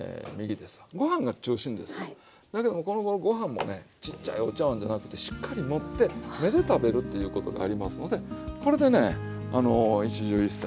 だけどもこのごろご飯もねちっちゃいお茶わんじゃなくてしっかり盛って目で食べるっていうことがありますのでこれでね一汁一菜。